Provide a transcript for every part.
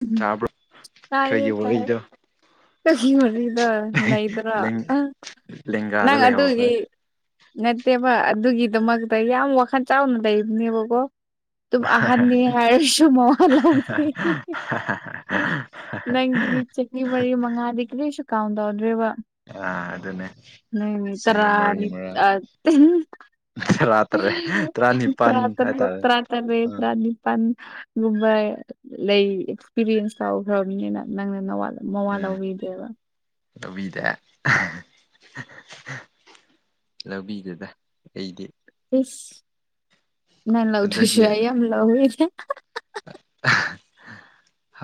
ꯎꯝ ꯆꯥꯕ꯭ꯔꯣ ꯑꯩꯈꯣꯏꯒꯤ ꯋꯥꯔꯤꯗꯣ ꯆꯍꯤ ꯃꯔꯤꯗ ꯅꯗ꯭ꯔꯥ ꯂꯦꯡ ꯑ ꯂꯦꯡꯒꯥꯗ ꯅꯪ ꯂꯩꯍꯧꯈ꯭ꯔꯦ ꯑꯗꯨꯒꯤ ꯅꯠꯇꯦꯕ ꯑꯗꯨꯒꯤꯗꯃꯛꯇ ꯌꯥꯝ ꯋꯥꯈꯜ ꯆꯥꯎꯅ ꯂꯩꯕꯅꯦꯕꯀꯣ ꯇꯨ ꯑꯍꯔꯅꯤ ꯍꯥꯏꯔꯁꯨ ꯃꯋꯥ ꯂꯧꯗꯦ [unintelligible] ꯅꯪꯒꯤ ꯆꯅꯤ ꯃꯔꯤ ꯃꯉꯥꯗꯤ ꯀ ꯂꯩꯁꯨ ꯀꯥꯎꯗꯧꯗ꯭ꯔꯦꯕ ꯑ ꯑꯗꯨꯗꯅꯦꯦ ꯅ ꯇꯅꯤ ꯇꯔꯥ ꯇꯔꯦꯠ ꯇꯔꯥꯅꯤꯄꯥꯜ ꯇꯔꯥꯇꯔ ꯍꯥꯏꯇꯥꯔꯦ ꯇꯔꯥ ꯇꯔꯦ ꯑꯥ ꯇꯔꯥꯅꯤ ꯄꯟ ꯒꯨꯝꯕ ꯂꯩ ꯑꯦꯛꯁꯄꯤꯔꯤꯌꯦꯟꯁ ꯇꯧꯈ꯭ꯔꯕꯅꯤꯅ ꯅꯪꯅ ꯅ ꯋꯥꯠꯂ ꯃꯃꯥ ꯂꯧꯕꯤꯗꯦꯕ ꯂꯕꯤꯗꯦ ꯂꯧꯕꯤꯅꯨꯗ ꯑꯩꯗꯤ ꯏꯁ ꯅꯪ ꯂꯧꯗ꯭ꯔꯥꯁꯨ ꯑꯗꯨꯒꯤ ꯑꯩ ꯌꯥꯝ ꯂꯧꯕꯤꯒꯦ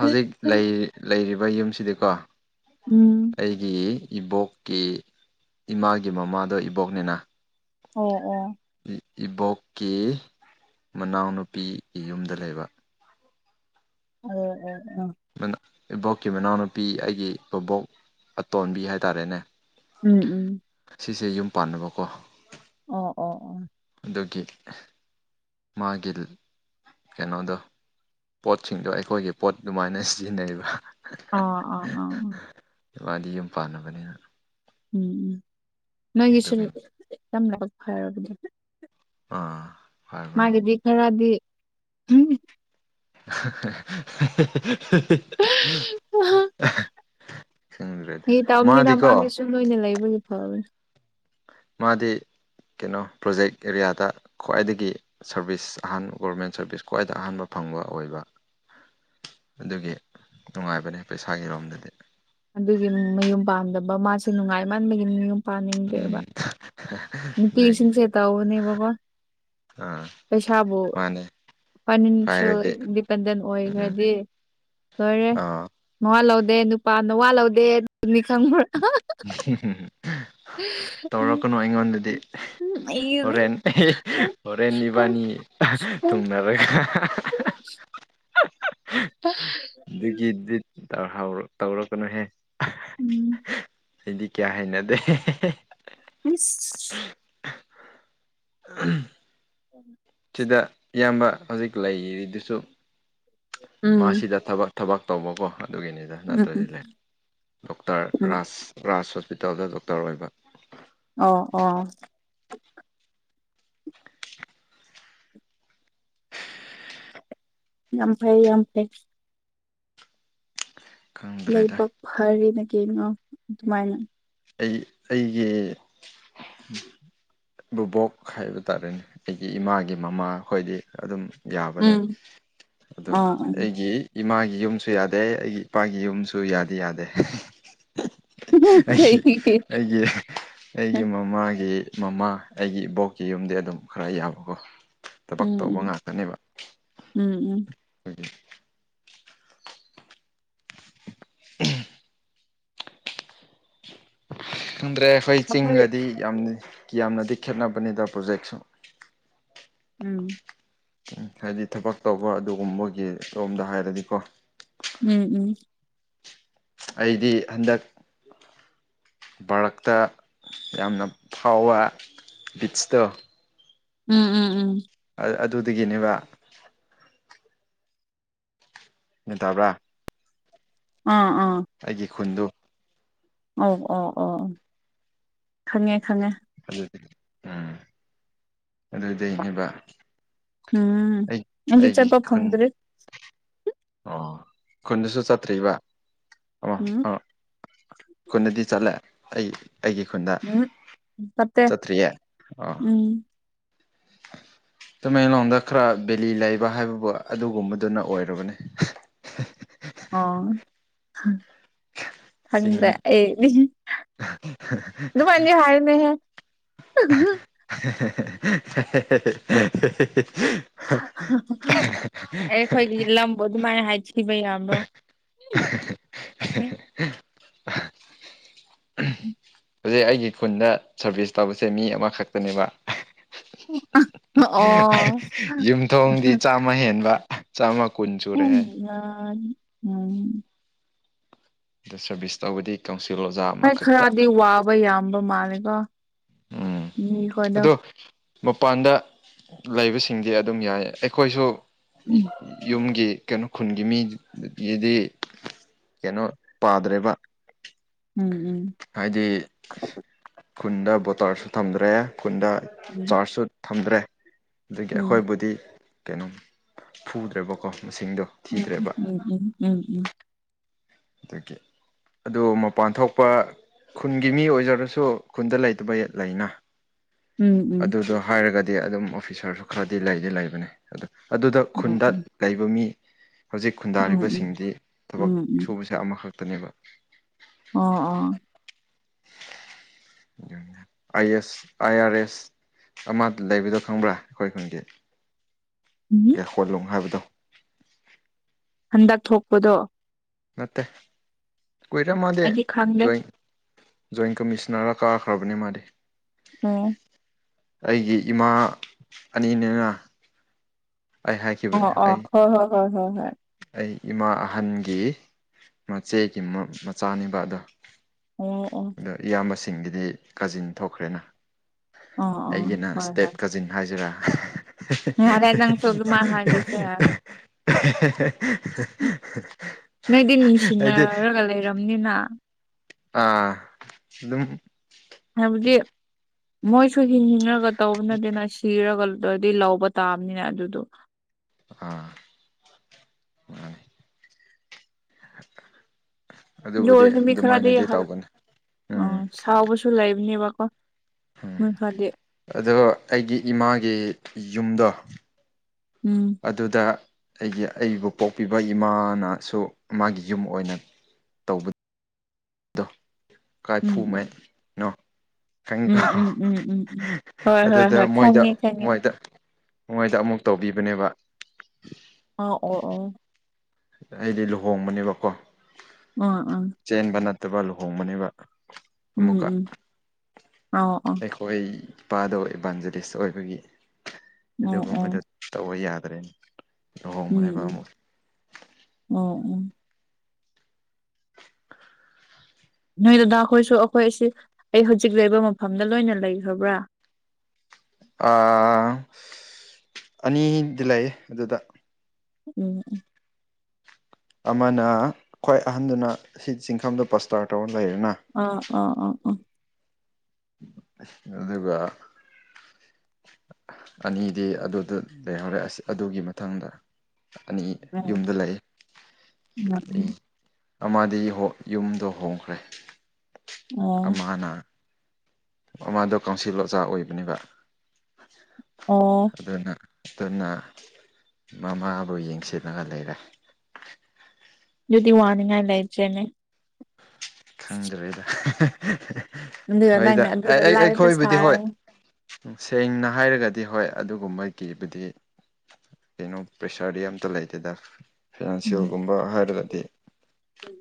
ꯎꯝ ꯑꯣ ꯑꯣ ꯑꯣ ꯂꯩꯔꯤ ꯂꯩꯔꯤꯕ ꯌꯨꯝꯁꯤꯗꯤꯀꯣ ꯎꯝ ꯑꯩꯒꯤ ꯏꯕꯣꯛꯀꯤ ꯏꯃꯥꯒꯤ ꯃꯃꯥꯗꯣ ꯏꯕꯣꯛꯅꯤꯅ ꯑꯣ ꯑꯣ ꯏꯕꯣꯛꯀꯤ ꯃꯅꯥꯎꯅꯨꯄꯤꯒꯤ ꯌꯨꯝꯗ ꯂꯩꯕ ꯑ ꯑ ꯏꯕꯣꯛꯀꯤ ꯃꯅꯥꯎꯅꯨꯄꯤ ꯑꯩꯒꯤ ꯕꯕꯣꯛ ꯑꯇꯣꯟꯕꯤ ꯍꯥꯏꯇꯥꯔꯦꯅꯦ ꯎꯝ ꯎꯝ ꯁꯤꯁꯦ ꯌꯨꯝ ꯄꯥꯟꯅꯕꯀꯣ ꯑꯣ ꯑꯣ ꯑꯣ ꯑꯗꯨꯒꯤ ꯃꯥꯒꯤ ꯀꯩꯅꯣꯗꯣ ꯄꯣꯠꯁꯤꯡꯗꯣ ꯑꯩꯈꯣꯏꯒꯤ ꯄꯣꯠ ꯑꯗꯨꯃꯥꯏꯅ ꯁꯤꯖꯤꯟꯅꯩꯔꯤꯕ ꯑꯥ-ꯑꯥ-ꯑꯥ ꯏꯃꯥꯗꯤ ꯌꯨꯝ ꯄꯥꯟꯂꯕꯅꯤꯅ ꯎꯝ ꯎꯝ ꯅꯣꯏꯒꯤꯁꯨ ꯑꯗꯨꯒꯤ ꯌꯥꯝ ꯂꯥꯏꯕꯛ ꯐꯔꯥꯕꯅꯦ ꯑꯥ ꯍꯥꯏꯕꯅꯦ ꯃꯥꯒꯤꯗꯤ ꯈꯔꯗꯤ [unintelligible] ꯍ ꯈꯪꯗ꯭ꯔꯦꯗꯤ ꯇ ꯑꯝ ꯇ ꯃꯥꯗꯤꯀꯣ ꯃꯥꯒꯦ ꯂꯣꯏꯅ ꯂꯩꯕꯒꯤ ꯐꯕꯅꯦ ꯃꯥꯗꯤ ꯀꯩꯅꯣ ꯄ꯭ꯔꯣꯖꯦꯛ ꯑꯦꯔꯤꯌꯥꯗ ꯈ꯭ꯋꯥꯏꯗꯒꯤ ꯁꯔꯚꯤꯁ ꯑꯍꯥꯟꯕ ꯒꯣꯔꯃꯦꯟ ꯁꯔꯚꯤꯁ ꯈ꯭ꯋꯥꯏꯗ ꯑꯍꯥꯟꯕ ꯐꯪꯕ ꯑꯣꯏꯕ ꯑꯗꯨꯒꯤ ꯅꯨꯡꯉꯥꯏꯕꯅꯦ ꯄꯩꯁꯥꯒꯤꯔꯣꯝꯗꯗꯤ ꯑꯗꯨꯒꯤ ꯃꯌꯨꯝ ꯄꯥꯟꯝꯗꯕ ꯃꯥꯁꯦ ꯅꯨꯡꯉꯥꯏ ꯃꯟꯕꯒꯤ ꯃꯌꯨꯝ ꯄꯥꯟꯅꯤꯡꯗ꯭ꯔꯦꯕ ꯍ [unintelligible] ꯄꯄꯤꯔꯁꯤꯡ ꯁꯦꯇꯧꯕꯅꯦꯕꯀꯣ ꯑꯥ ꯃꯥꯅꯦ ꯐꯥꯏꯅꯥꯟꯁꯤꯌꯦꯜ ꯍꯥꯏꯔꯗꯤ ꯏꯟꯗꯤꯄꯦꯟꯗꯦꯟ ꯎꯝ ꯑꯣꯏꯈ꯭ꯔꯗꯤ ꯂꯣꯏꯔꯦ ꯑꯥ ꯃꯋꯥ ꯂꯧꯗꯦ ꯅꯨꯄꯥ ꯅꯋꯥꯠꯃ ꯂꯧꯗꯦ ꯑꯗꯨꯅꯤ ꯈꯪꯕ꯭ꯔꯥ ꯎꯝ ꯇꯧꯔꯛꯀꯅꯨ ꯑꯩꯉꯣꯟꯗꯗꯤ ꯑꯩ ꯍꯣꯔꯦꯟ ꯎꯝ ꯍꯣꯔꯦꯟ ꯏꯁ ꯏꯕꯥꯅꯤ ꯊꯨꯡꯅꯔ [unintelligible] ꯑꯗꯨꯒꯤꯗꯤ ꯇꯧꯔꯛꯀꯅꯨꯍꯦ ꯑꯩꯗꯤ ꯀꯌꯥ ꯍꯩꯅꯗꯦ ꯎꯝ ꯎꯝ [inaudible] ꯁꯤꯗ ꯏꯌꯥꯝꯕ ꯍꯧꯖꯤꯛ ꯂꯩꯔꯤꯗꯨꯁꯨ ꯃꯥꯁꯤꯗ ꯊꯕꯛ ꯊꯕꯛ ꯇꯧꯕꯀꯣ ꯑꯗꯨꯒꯤꯅꯤꯗ ꯎꯝ ꯅꯠꯇ꯭ꯔꯗꯤ ꯎꯝ ꯂꯩ ꯗꯣꯛꯇꯔ ꯎꯝ ꯔꯥꯁ ꯔꯥꯁ ꯍꯣꯁꯄꯤꯇꯥꯜꯗ ꯗꯣꯛꯇꯔ ꯑꯣꯏꯕ ꯑꯣ ꯑꯣ ꯌꯥꯝ ꯐꯩ ꯌꯥꯝ ꯐꯩ ꯈꯪꯗ꯭ꯔꯦꯗ ꯂꯩꯕꯥꯛ ꯐꯔꯤꯅ ꯀꯩꯅꯣ ꯑꯗꯨꯃꯥꯏꯅ ꯑꯩ ꯑꯩꯒꯤ ꯕꯕꯣꯛ ꯍꯥꯏꯕ ꯇꯥꯔꯦꯅꯦ ꯑꯩꯒꯤ ꯏꯃꯥꯒꯤ ꯃꯃꯥ ꯑꯩꯈꯣꯏꯗꯤ ꯑꯗꯨꯝ ꯌꯥꯕꯅꯦ ꯎꯝ ꯑꯗꯣ ꯑꯥ ꯑꯥ ꯑꯩꯒꯤ ꯏꯃꯥꯒꯤ ꯌꯨꯝꯁꯨ ꯌꯥꯗꯦ ꯑꯩꯒꯤ ꯏꯄꯥꯒꯤ ꯌꯨꯝꯁꯨ ꯌꯥꯗꯤ ꯌꯥꯗꯦ ꯑꯩꯒꯤ ꯀꯩꯒꯤ ꯑꯩꯒꯤ ꯑꯩꯒꯤ ꯃꯃꯥꯒꯤ ꯃꯃꯥ ꯑꯩꯒꯤ ꯏꯕꯣꯛꯀꯤ ꯌꯨꯝꯗꯤ ꯑꯗꯨꯝ ꯈꯔ ꯌꯥꯕꯀꯣ ꯊꯕꯛ ꯇꯧꯕ ꯎꯝ ꯎꯝ ꯎꯝ ꯎꯝ ꯑꯗꯨ ꯎꯝ ꯈꯪꯗ꯭ꯔꯦ ꯑꯩꯈꯣꯏ ꯆꯤꯡꯒꯗꯤ ꯌꯥꯝ ꯌꯥꯝꯅꯗꯤ ꯈꯦꯠꯅꯕꯅꯤꯗ ꯄ꯭ꯔꯣꯖꯦꯛꯁꯨ ꯎꯝ ꯍꯥꯏꯗꯤ ꯊꯕꯛ ꯇꯧꯕ ꯑꯗꯨꯒꯨꯝꯕꯒꯤ ꯔꯣꯝꯗ ꯍꯥꯏꯔꯗꯤꯀꯣ ꯎꯝ ꯎꯝ ꯑꯩꯗꯤ ꯍꯟꯗꯛ ꯚꯥꯔꯛꯇ ꯌꯥꯝꯅ ꯐꯥꯎꯕ ꯕꯤꯠꯁꯇꯣ ꯎꯝ ꯎꯝ ꯎꯝ ꯑꯗꯨꯗꯒꯤꯅꯦꯕ ꯅ ꯇꯥꯕ꯭ꯔꯥ ꯑꯥ ꯑꯥ ꯑꯩꯒꯤ ꯈꯨꯟꯗꯨ ꯑꯧ ꯑꯣ ꯑꯣ ꯈꯪꯉꯦ ꯈꯪꯉꯦ ꯑꯗꯨꯗꯤ ꯎꯝ ꯑꯗꯨꯗꯩꯅꯦꯕ ꯎꯝ ꯑꯩ ꯑꯩꯗꯤ ꯑꯩꯒꯤ ꯆꯠꯄ ꯈꯨꯟ ꯐꯪꯗ꯭ꯔꯤ ꯑꯣ ꯈꯨꯟꯗꯁꯨ ꯆꯠꯇ꯭ꯔꯤꯕ ꯑꯣ ꯎꯝ ꯑꯣ ꯈꯨꯟꯗꯗꯤ ꯆꯠꯂꯦ ꯑꯩ ꯑꯩꯒꯤ ꯈꯨꯟꯗ ꯎꯝ ꯆꯠꯇꯦ ꯆꯠꯇ꯭ꯔꯤꯌꯦ ꯑ ꯎꯝ ꯇꯃꯦꯡꯂꯣꯡꯗ ꯈꯔ ꯕꯦꯂꯤ ꯂꯩꯕ ꯍꯥꯏꯕꯕꯨ ꯑꯗꯨꯒꯨꯝꯕꯗꯨꯅ ꯑꯣꯏꯔꯕꯅꯤ ꯑꯣ ꯈꯪ ꯆꯤꯡ ꯈꯪꯗ꯭ꯔꯦ ꯑꯩꯗꯤ ꯑꯗꯨꯃꯥꯏꯗꯤ ꯍꯥꯏꯅꯨꯍꯦ [unintelligible] ꯑꯩꯈꯣꯏꯒꯤ ꯂꯝꯕꯨ ꯑꯗꯨꯃꯥꯏꯅ ꯍꯥꯏꯊꯤꯕ ꯌꯥꯕ꯭ꯔꯣ [inaudible] ꯍꯧꯖꯤꯛ ꯑꯩꯒꯤ ꯈꯨꯟꯗ ꯁꯥꯔꯚꯤꯁ ꯇꯧꯕꯁꯦ ꯃꯤ ꯑꯃꯈꯛꯇꯅꯦꯕ ꯑꯣ ꯌꯨꯝꯊꯣꯡꯗꯤ ꯆꯥꯝꯃ ꯍꯦꯟꯕ ꯆꯥꯝꯃꯀꯨꯟ ꯁꯨꯔꯦꯍꯦ [unintelligible] ꯎꯝ ꯁꯤꯗ ꯁꯔꯚꯤꯁ ꯇꯧꯕꯗꯤ ꯀꯥꯎꯟꯁꯤꯜ ꯑꯣꯖꯥ ꯍꯣꯏ ꯑꯃꯈꯛꯇ ꯈꯔꯗꯤ [unintelligible] ꯌꯥꯝꯕ ꯃꯥꯜꯂ‌ꯦꯀꯣ ꯎꯝ ꯑꯗꯣ ꯃꯄꯥꯟꯗ ꯂꯩꯕꯁꯤꯡꯗꯤ ꯑꯗꯨꯝ ꯌꯥꯏ ꯑꯩꯈꯣꯏꯁꯨ ꯌꯨ ꯎꯝ ꯌꯨꯝꯒꯤ ꯀꯩꯅꯣ ꯈꯨꯟꯒꯤ ꯃꯤ ꯒꯤꯗꯤ ꯀꯩꯅꯣ ꯄꯥꯗ꯭ꯔꯦꯕ ꯎꯝ ꯎꯝ ꯍꯥꯏꯗꯤ ꯈꯨꯟꯗ ꯕꯣꯇꯥꯔꯁꯨ ꯊꯝꯗ꯭ꯔꯦ ꯈꯨꯟꯗ ꯆꯥꯔꯖ ꯁꯨꯠ ꯊꯝꯗ꯭ꯔꯦ ꯑꯗꯒꯤ ꯎꯝ ꯎꯝ ꯑꯩꯈꯣꯏꯕꯨꯗꯤ ꯀꯩꯅꯣ ꯐꯨꯗ꯭ꯔꯦꯕꯀꯣ ꯃꯁꯤꯡꯗꯣ ꯊꯤꯗ꯭ꯔꯦꯕ [unintelligible] ꯗꯒꯤ ꯑꯗꯨ ꯃꯄꯥꯟ ꯊꯣꯛꯄ ꯈꯨꯟꯒꯤ ꯃꯤ ꯑꯣꯏꯖꯔꯁꯨ ꯈꯨꯟꯗ ꯂꯩꯇꯕ ꯂꯩꯅ ꯎꯝ ꯎꯝ ꯎꯝ ꯎꯝ ꯑꯗꯨꯗ‌ꯣ ꯍꯥꯏꯔꯒꯗꯤ ꯑꯗꯨꯝ ꯑꯣꯐꯤꯁꯥꯔꯁꯨ ꯈꯔꯗꯤ ꯂꯩꯗꯤ ꯂꯩꯕꯅꯤ ꯑꯗ ꯑꯗꯨꯗ ꯑꯣ ꯈꯨꯟꯗ ꯎꯝ ꯂꯩꯕ ꯃꯤ ꯍꯧꯖꯤꯛ ꯎꯝ ꯎꯝ ꯈꯨꯟꯗꯥꯔꯤꯕꯁꯤꯡꯗꯤ ꯊꯕꯛ ꯎꯝ ꯎꯝ ‌ꯁ‌ꯦ ꯑꯃꯈꯛꯇꯅꯦꯕ ꯑꯣ ꯑꯣ [inaudible] [unintelligible] ꯑꯥꯏ ꯑꯦꯁ ꯑꯥꯏ ꯑꯥꯔ ꯑꯦꯁ ꯑꯃ ꯂꯩꯕꯗꯣ ꯈꯪꯕ꯭ꯔꯥ ꯑꯩꯈꯣꯏ ꯈꯨꯟꯒꯤ [unintelligible] ꯍꯣꯠꯂꯣꯡ ꯍꯥꯏꯕꯗꯣ ꯍꯟꯗꯛ ꯊꯣꯛꯄꯗꯣ ꯅꯠꯇꯦ ꯀꯨꯏꯔ‌ꯦ ꯃꯥꯗꯤ ꯑꯩꯗꯤ ꯈꯪꯗꯦ ꯖꯣꯏꯟ ꯖꯣꯏꯟ ꯀꯃꯤꯁꯅꯔ ꯀꯥꯈ꯭ꯔꯕꯅꯦ ꯃꯥꯗꯤ ꯑꯣ ꯑꯩꯒꯤ ꯏꯃꯥ ꯑꯅꯤꯅ‌ꯦꯅ ꯑꯣ ꯑꯣ ꯑꯩ ꯍꯣꯏ ꯍꯣꯏ ꯍꯣꯏ ꯍꯣꯏ ꯍꯣꯏ ꯑꯩ ꯏꯃꯥ ꯑꯍꯟꯒꯤ ꯃꯆꯦꯒꯤ ꯃ ꯃꯆꯥꯅꯤꯕ ꯑꯗꯣ ꯑꯣ ꯑꯣ ꯑꯗꯣ ꯏꯌꯥꯝꯕꯁꯤꯡꯒꯤꯗꯤ ꯀꯥꯖꯤꯟ ꯊꯣꯛꯈ꯭ꯔꯦꯅ ꯑꯣ ꯑꯣ ꯑꯩꯒꯤꯅ ꯍꯣꯏ ꯍꯣꯏ ꯏꯁꯇꯦꯞ ꯀꯖꯤꯟ ꯍꯥꯏꯁꯤꯔꯥ ꯌꯥꯔꯦ ꯅꯪꯁꯨ ꯗꯨꯃꯥꯏ ꯍꯥꯥꯏꯕꯁꯨ ꯌꯥꯏ ꯅ‌ꯣꯏꯗꯤ ꯍꯥꯏꯗꯤ ꯅꯨꯡꯁꯤꯅꯔꯒ ꯂꯩꯔꯝꯅꯤꯅ ꯑ ꯑꯗꯨꯝ ꯍꯥꯏꯕꯗꯤ ꯃꯣꯏꯁꯨ ꯍꯤꯡꯅꯤꯡꯔꯒ ꯇꯧꯕ ꯅꯠꯇ‌ꯦꯅ ꯁꯤꯔꯒ ꯗ‌ꯣꯏꯗꯤ ꯂꯧꯕ ꯇꯥꯕꯅꯤꯅ ꯑꯗꯨꯗꯣ ꯑꯥ ꯃꯥꯅꯤ ꯑꯗꯨꯕꯨꯗꯤ ꯑꯗꯨꯃꯥꯏꯅꯗꯤ ꯇꯧꯒꯅꯤ ꯎꯝ ꯑꯣ ꯁꯥꯎꯕꯁꯨ ꯂꯩꯕꯅꯦꯕꯀꯣ ꯅꯣꯏ ꯈꯔꯗꯤ ꯑꯗꯨꯒ ꯑꯩꯒꯤ ꯏꯃꯥꯒꯤ ꯌꯨꯝꯗꯣ ꯎꯝ ꯑꯗꯨꯗ ꯑꯩꯒꯤ ꯑꯩꯕꯨ ꯄꯣꯛꯄꯤꯕ ꯏꯃꯥꯅꯁꯨ ꯃꯥꯒꯤ ꯌꯨꯝ ꯑꯣꯏꯅ ꯇꯧꯕꯗꯣ ꯎꯝ ꯀꯥꯏꯐꯨꯉꯥꯏꯅꯣ ꯎꯝ ꯎꯝ ꯈꯪꯉꯤꯀꯣ ꯎꯝ ꯎꯝ ꯎꯝ ꯎꯝ ꯍꯣꯏ ꯍꯣꯏ ꯑꯗꯨꯗ ꯍꯣꯏ ꯃꯣꯏꯗ ꯈꯪꯉꯦ ꯈꯪꯉꯦ ꯃꯣꯏꯗ ꯃꯣꯏꯗ ꯑꯃꯨꯛ ꯇꯧꯕꯤꯕꯅꯦꯕ ꯑ ꯑꯣ ꯑꯣ ꯑꯩꯗꯤ ꯂꯨꯍꯣꯡꯕꯅꯦꯕꯀꯣ ꯎ ꯎ ꯆꯦꯟꯕ ꯅꯠꯇꯕ ꯂꯨꯍꯣꯡꯕꯅꯦꯕ ꯑꯃꯨꯛꯀ ꯎꯝ ꯎꯝ ꯑꯣ ꯑꯣ ꯑꯩꯈꯣꯏ ꯏꯄꯥꯗꯣ ꯏꯕꯥꯟꯖꯂꯤꯁ ꯑꯣꯏꯕꯒꯤ ꯑꯣ ꯑꯗꯨꯒꯨꯝꯕꯗ ꯑꯣ ꯇꯧꯕ ꯌꯥꯗ꯭ꯔꯦꯅꯦ ꯂꯨꯍꯣꯡꯕꯅꯦꯕ ꯎꯝ ꯑꯃꯨꯛ ꯎꯝ ꯑꯣ ꯑꯣ ꯅꯣꯏ ꯗꯗꯥ ꯍꯈꯣꯏꯁꯨ ꯑꯩꯈꯣꯏꯁꯤ ꯑꯩ ꯍꯧꯖꯤꯛ ꯂꯩꯕ ꯃꯐꯝꯗ ꯂꯣꯏꯅ ꯂꯩꯈ꯭ꯔꯕ꯭ꯔꯥ ꯑꯅꯤꯗꯤ ꯂꯩꯌꯦ ꯑꯗꯨꯗ ꯎꯝ ꯎꯝ ꯑꯃꯅ ꯈ꯭ꯋꯥꯏ ꯑꯍꯟꯗꯨꯅ ꯍꯤꯠ ꯆꯤꯡꯈꯝꯗ ꯄꯁꯇꯥꯔ ꯇꯧꯔ ꯂꯩꯔꯦꯅ ꯎ ꯎ ꯎ ꯎꯝ ꯑꯗꯨꯒ ꯑꯅꯤꯗꯤ ꯑꯗꯨꯗ ꯂꯩꯍꯧꯔꯦ ꯑꯁ ꯑꯗꯨꯒꯤ ꯃꯊꯪꯗ ꯑꯅꯤ ꯑꯥ ꯌꯨꯝꯗ ꯂꯩ ꯑꯩ ꯑꯃꯗꯤ ꯌꯨꯝꯗꯣ ꯍꯣꯡꯈ꯭ꯔꯦ ꯑꯣ ꯑꯃꯅ ꯃꯃꯗꯣ ꯀꯥꯎꯟꯁꯤꯜ ꯑꯣꯖꯥ ꯑꯣꯏꯕꯅꯦꯕ ꯑꯣ ꯑꯗꯨꯅ ꯑꯗꯨꯟꯅ ꯃꯃꯥꯕꯨ ꯌꯦꯡꯁꯤꯜꯂꯒ ꯂꯩꯔꯦ ꯑꯗꯨꯗꯤ ꯋꯥꯅꯤꯡꯉꯥꯏ ꯂꯩꯇꯔ‌ꯦꯅ‌ꯦ ꯈꯪꯗ꯭ꯔꯦꯗ ꯑꯗꯨꯒ ꯍꯣꯏꯗ ꯅꯪꯅ ꯑꯗꯨꯗ ꯑꯩ ꯂꯥꯏꯕ ꯑꯩꯈꯣꯏꯕꯨꯗꯤ ꯍꯣꯏ ꯁꯥꯔꯒ [unintelligible] ꯁꯦꯡꯅ ꯍꯥꯏꯔꯒꯗꯤ ꯍꯣꯏ ꯑꯗꯨꯒꯨꯝꯕꯒꯤꯕꯨꯗꯤ ꯀꯩꯅꯣ ꯄ꯭ꯔꯦꯁꯔꯗꯤ ꯑꯃꯇ ꯂꯩꯇꯦꯗ ꯎꯝ ꯐꯤꯅꯥꯟꯁꯤꯌꯦꯜꯒꯨꯝꯕ ꯍꯥꯏꯔꯒꯗꯤ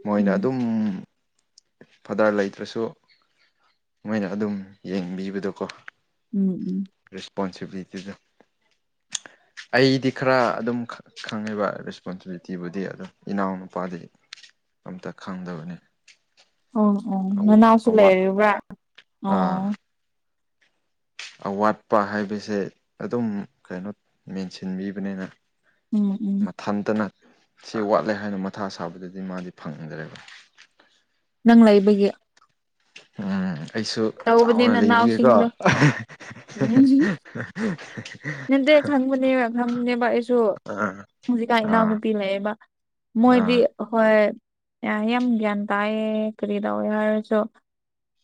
ꯃꯣꯏꯅ ꯎꯝ ꯑꯗꯨꯝ ꯐꯗꯥꯔ ꯂꯩꯇ꯭ꯔꯁꯨ ꯃꯣꯏꯅ ꯑꯗꯨꯝ ꯌꯦꯡꯕꯤꯕꯗꯣꯀꯣ ꯎꯝ ꯎꯝ ꯔꯦꯁꯄꯣꯟꯁꯤꯕꯤꯂꯤꯇꯤꯗ ꯑꯩꯗꯤ ꯈꯔ ꯑꯗꯨꯝ ꯈꯪꯉꯤꯕ ꯔꯦꯁꯄꯣꯟꯁꯤꯕꯤꯂꯤꯇꯤꯕꯨꯗꯤ ꯑꯗꯨꯝ ꯏꯅꯥꯎꯅꯨꯄꯥꯗꯤ ꯑꯃꯇ ꯈꯪꯗꯕꯅꯤ ꯑꯣ ꯑꯣ ꯅꯥꯅꯎꯁꯨ ꯑꯋꯥꯠ ꯂꯩꯕ꯭ꯔ ꯑꯣ ꯑꯋꯥꯠꯄ ꯍꯥꯏꯕꯁꯦ ꯑꯗꯨꯝ ꯀꯩꯅꯣ ꯃꯦꯟꯁꯤꯟꯕꯤꯕꯅꯤꯅ ꯎꯝ ꯎꯝ ꯃꯊꯟꯇꯅ ꯁꯤ ꯋꯥꯠꯂꯦ ꯍꯥꯏꯅ ꯃꯊꯥ ꯁꯥꯕꯗꯗꯤ ꯃꯥꯗꯤ ꯐꯪꯗ꯭ꯔꯦꯕ ꯅꯪ ꯂꯩꯕꯒꯤ ꯎꯝ ꯑꯩꯁꯨ ꯇꯧꯕꯅꯦ ꯆꯥꯎꯅ ꯂꯩꯕꯒꯤꯀꯣ ꯅꯅꯥꯎꯁꯤꯡꯗꯣ ꯎꯝ ꯅꯠꯇꯦ ꯈꯪꯕꯅꯦꯕ ꯈꯪꯕꯅꯦꯕ ꯑꯩꯁꯨ ꯑꯥ ꯍꯧꯖꯤꯛꯀꯥꯟ ꯑꯥ ꯏꯅꯥꯎꯅꯨꯄꯤ ꯂꯩꯕ ꯃꯣꯏꯗꯤ ꯑꯥ ꯍꯍꯣꯏ ꯌꯥ ꯌꯥꯝ ꯒ꯭ꯌꯥꯟ ꯇꯥꯏꯌꯦ ꯀꯔꯤ ꯇꯧꯋꯦ ꯍꯥꯏꯔꯁꯨ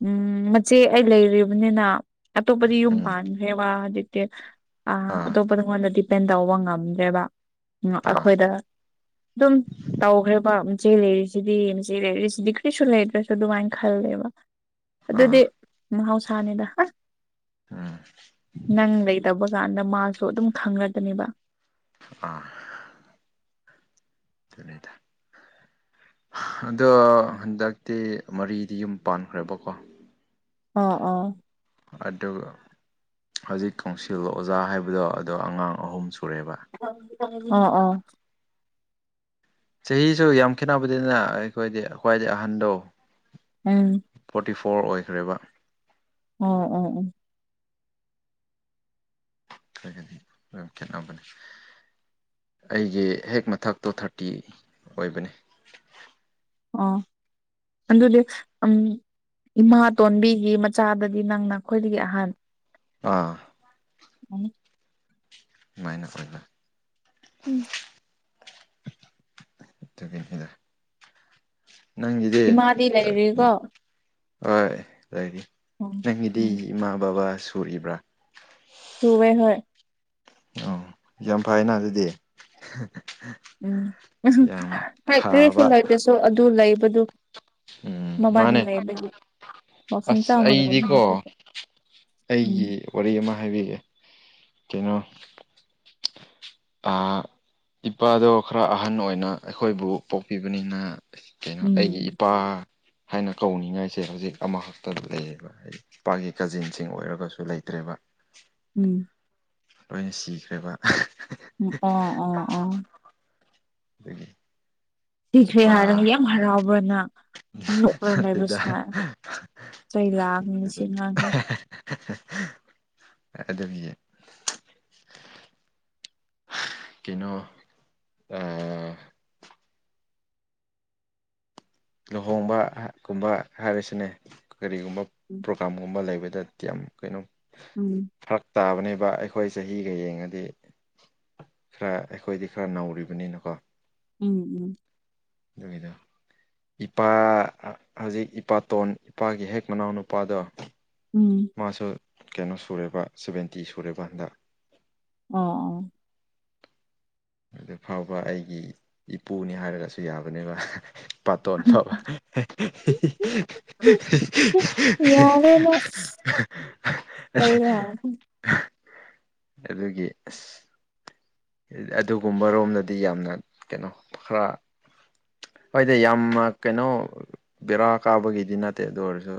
ꯎꯝ ꯆꯦ ꯑꯩ ꯂꯩꯔꯤꯕꯅꯤꯅ ꯑꯇꯣꯞꯄꯗꯤ ꯌꯨꯝ ꯎꯝ ꯄꯥꯟꯈ꯭ꯔꯦꯕ ꯍꯧꯖꯤꯛꯇꯤ ꯑ ꯑꯥ ꯑꯇꯣꯞ ꯑꯩꯉꯣꯟꯗ ꯗꯤꯄꯦꯟ ꯇꯧꯕ ꯉꯝꯗ꯭ꯔꯦꯕ ꯑꯥ ꯑꯩꯈꯣꯏꯗ ꯑꯗꯨꯝ ꯇꯧꯈ꯭ꯔꯦꯕ ꯃꯦꯆꯦ ꯂꯩꯔꯤꯁꯤꯗꯤ ꯃꯦꯆꯦ ꯂꯩꯔꯤꯁꯤꯗꯤ ꯀꯔꯤꯁꯨ ꯂꯩꯇ꯭ꯔꯁꯨ ꯑꯗꯨꯃꯥꯏꯅ ꯈꯜꯂꯦꯕ ꯑꯗꯨꯗꯤ ꯑꯥ ꯃꯍꯥꯎꯁꯥꯅꯤꯗ ꯎꯝ ꯅꯪ ꯂꯩꯇꯕ ꯀꯥꯟꯗ ꯃꯥꯁꯨ ꯑꯗꯨꯝ ꯈꯪꯉꯛꯒꯅꯦꯕ ꯑꯥ ꯑꯗꯨꯅꯤꯗ ꯑꯗꯣ ꯍꯟꯗꯛꯇꯤ ꯃꯔꯤꯗꯤ ꯌꯨꯝ ꯄꯥꯟꯈ꯭ꯔꯦꯕꯀꯣ ꯑꯣ ꯑꯣ ꯑꯗꯨ ꯍꯧꯖꯤꯛ ꯀꯥꯎꯁꯤꯜ ꯑꯣꯖꯥ ꯍꯥꯏꯕꯗꯣ ꯑꯗꯣ ꯑꯉꯥꯡ ꯑꯍꯨꯝ ꯁꯨꯔꯦꯕ ꯑꯣ ꯑꯣ ꯆꯍꯤꯁꯨ ꯌꯥꯝ ꯈꯦꯠꯅꯕꯗꯤꯅ ꯑꯩꯈꯣꯏꯗꯤ ꯈ꯭ꯋꯥꯏꯗꯩ ꯑꯍꯟꯗꯣ ꯎꯝ ꯐꯣꯔꯇꯤ ꯐꯣꯔ ꯑꯣꯏꯈ꯭ꯔꯦꯕ ꯎꯝ ꯎꯝ ꯎꯝ ꯈꯒꯅꯤ ꯈꯔꯥ ꯈꯦꯟꯅꯕꯅꯤ ꯑꯩꯒꯤ ꯍꯦꯛ ꯃꯊꯛꯇꯣ ꯊꯥꯔꯇꯤ ꯑꯣꯏꯕꯅꯤ ꯑꯥ ꯑꯗꯨꯗꯤ ꯎꯝ ꯏꯃꯥꯇꯣꯟꯕꯤꯒꯤ ꯃꯆꯥꯗꯗꯤ ꯅꯪꯅ ꯈꯣꯏꯗꯒꯤ ꯑꯍꯥꯟ ꯑꯥ ꯎꯝ ꯃꯥꯏꯅ ꯐꯩꯕ ꯎꯝ ꯑꯗꯨꯒꯤꯅꯤꯗ ꯅꯪꯒꯤꯗꯤ ꯏꯃꯥꯗꯤ ꯂꯩꯔꯤꯀꯣ ꯍꯣꯏ ꯂꯩꯔꯤ ꯎꯝ ꯅꯪꯒꯤꯗꯤ ꯎꯝ ꯏꯃꯥ ꯕꯕꯥ ꯁꯨꯔꯤꯕ꯭ꯔꯥ ꯁꯨꯋꯦ ꯍꯣꯏ ꯑꯣ ꯌꯥꯝ ꯐꯩꯅ ꯑꯗꯨꯗꯤ ꯎꯝ ꯎꯝ ꯌꯥꯝ ꯍꯣꯏ ꯀ꯭ꯔꯤꯁꯨ ꯐꯕ ꯂꯩꯇ꯭ꯔꯥꯁꯨ ꯑꯗꯨ ꯂꯩꯕꯗꯨ ꯎꯝ ꯃꯕꯥꯅꯤ ꯃꯥꯅꯦ ꯂꯩꯕꯒꯤ ꯋꯥꯈꯜ ꯑꯁ ꯆꯥꯎꯅ ꯑꯩꯗꯤꯀꯣ ꯂꯩꯕꯅꯤ ꯎꯝ ꯑꯩꯒꯤ ꯋꯥꯔꯤ ꯑꯃ ꯍꯥꯏꯕꯤꯒꯦ ꯀꯩꯅꯣ ꯑꯥ ꯏꯄꯥꯗꯣ ꯈꯔ ꯑꯍꯟ ꯑꯣꯏꯅ ꯑꯩꯈꯣꯏꯕꯨ ꯄꯣꯛꯄꯤꯕꯅꯤꯅ ꯀꯩꯅꯣ ꯑꯩꯒꯤ ꯎꯝ ꯏꯄꯥ ꯍꯥꯏꯅ ꯀꯧꯅꯤꯡꯉꯥꯏꯁꯦ ꯍꯧꯖꯤꯛ ꯑꯃꯈꯛꯇ ꯂꯩꯌꯦꯕ ꯍꯥꯏꯗꯤ ꯏꯄꯥꯒꯤ ꯀꯖꯤꯟꯁꯤꯡ ꯑꯣꯏꯔꯒꯁꯨ ꯂꯩꯇ꯭ꯔꯦꯕ ꯎꯝ ꯂꯣꯏꯅ ꯁꯤꯈ꯭ꯔꯦꯕ ꯑꯣ ꯑꯣ ꯑꯣ ꯑꯗꯨꯒꯤ ꯁꯤꯈ꯭ꯔꯦ ꯍꯥꯏꯔꯒ ꯏꯄꯥ ꯌꯥꯝ ꯍꯔꯥꯎꯕ꯭ꯔꯥ ꯅꯪ ꯅꯣꯛꯂꯒ ꯂꯩꯕ ꯅꯠꯇꯦꯗ ꯁꯥ ꯆꯩ ꯂꯥꯛꯀꯥꯅꯤ ꯁꯤ ꯅꯠꯇꯦꯗ ꯉꯥꯡꯁꯦ ꯑꯗꯨꯒꯤ ꯀꯩꯅꯣ ꯑꯥ ꯂꯨꯍꯣꯡꯕ ꯀꯨꯝꯕ ꯍꯥꯏꯔꯤꯁꯤꯅꯦ ꯀꯔꯤꯒꯨꯝꯕ ꯎꯝ ꯄ꯭ꯔꯣꯒꯥꯝꯒꯨꯝꯕ ꯂꯩꯕꯗꯗꯤ ꯌꯥꯝ ꯀꯩꯅꯣ ꯎꯝ ꯐꯔꯛ ꯇꯥꯕꯅꯦꯕ ꯑꯩꯈꯣꯏ ꯆꯍꯤꯒ ꯌꯦꯡꯉꯗꯤ ꯈꯔ ꯑꯩꯈꯣꯏꯗꯤ ꯈꯔ ꯅꯧꯔꯤꯕꯅꯤꯅꯀꯣ ꯎꯝ ꯎꯝ ꯑꯗꯨꯒꯤꯗꯣ ꯏꯄꯥ ꯍꯧꯖꯤꯛ ꯏꯄꯥꯇꯣꯟ ꯏꯄꯥꯒꯤ ꯍꯦꯛ ꯃꯅꯥꯎ ꯅꯨꯄꯥꯗꯣ ꯎꯝ ꯃꯥꯁꯨ ꯀꯩꯅꯣ ꯁꯨꯔꯦꯕ ꯁꯕꯦꯟꯇꯤ ꯁꯨꯔꯦꯕ ꯍꯟꯗꯛ ꯑꯣ ꯑꯣ ꯑꯗꯨ ꯐꯥꯎꯕ ꯑꯩꯒꯤ ꯏꯄꯨꯅꯤ ꯍꯥꯏꯔꯒꯁꯨ ꯌꯥꯕꯅꯦꯕ ꯄꯥꯇꯣꯟ ꯑꯣ ꯐꯕ ꯌꯥꯔꯦ ꯅꯪ ꯆꯩ ꯂꯥꯛ [inaudible] ꯑꯗꯨꯒꯤ ꯑꯗꯨꯒꯨꯝꯕꯔꯣꯝꯗꯗꯤ ꯌꯥꯝꯅ ꯀꯩꯅꯣ ꯈꯔ ꯍꯣꯏꯗꯤ ꯌꯥꯝꯅ ꯀꯩꯅꯣ ꯕꯦꯔꯥ ꯀꯥꯕꯒꯤꯗꯤ ꯅꯠꯇꯦ ꯑꯗꯨ ꯑꯣꯏꯔꯁꯨ